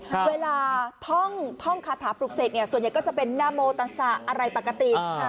เวลาท่องท่องคาถาปลุกเสกเนี่ยส่วนใหญ่ก็จะเป็นนาโมตัสสะอะไรปกติค่ะ